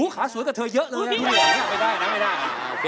ขาสวยกับเธอเยอะเลยไม่ได้ไม่ได้